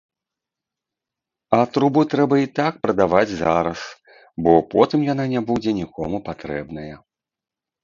А трубу трэба і так прадаваць зараз, бо потым яна не будзе нікому патрэбная.